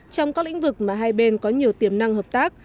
trong các lĩnh vực mà hai bên có nhiều tiềm năng hợp tác